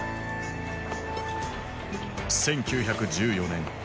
１９１４年。